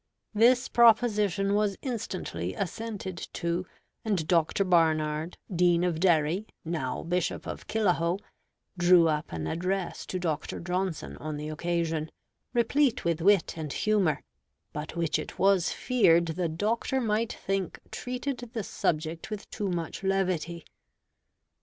This proposition was instantly assented to; and Dr. Barnard, Dean of Derry, now Bishop of Killahoe, drew up an address to Dr. Johnson on the occasion, replete with wit and humor, but which it was feared the Doctor might think treated the subject with too much levity.